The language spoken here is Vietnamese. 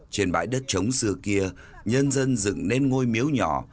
trên bãi đất chống xưa kia nhân dân dựng nên ngôi miếu nhỏ